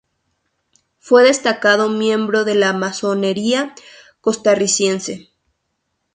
Fue un destacado miembro de la masonería costarricense.